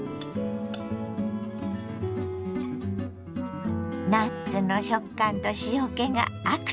ナッツの食感と塩けがアクセントになったサラダ。